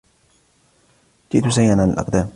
جئت سيراً على الأقدام.